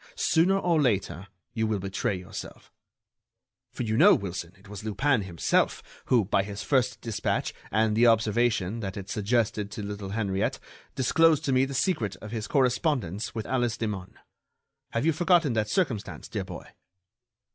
Sooner or later you will betray yourself.' For you know, Wilson, it was Lupin himself, who, by his first dispatch and the observation that it suggested to little Henriette, disclosed to me the secret of his correspondence with Alice Hemun. Have you forgotten that circumstance, dear boy?"